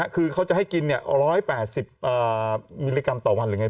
คือเขาจะให้กิน๑๘๐มิลลิกรัมต่อวันหรือไง